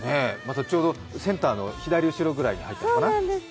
ちょうどセンターの左後ろくらいに入ったのかな？